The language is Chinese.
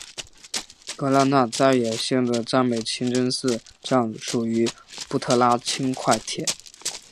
格拉那再也线的占美清真寺站属于布特拉轻快铁。